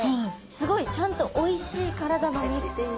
すごいちゃんとおいしい体の身っていう。